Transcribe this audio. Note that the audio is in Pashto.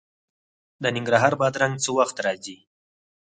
د ننګرهار بادرنګ څه وخت راځي؟